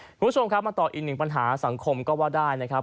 คุณผู้ชมครับมาต่ออีกหนึ่งปัญหาสังคมก็ว่าได้นะครับ